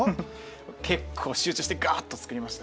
結構集中してガーッと作りました。